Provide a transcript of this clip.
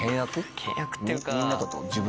険悪っていうか。